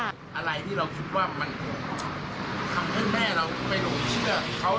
อะไรที่เราคิดว่ามันทำให้แม่เราไปหลงเชื่อเขา